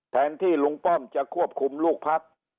แทนที่ลุงป้อมจะควบคุมลูกพัก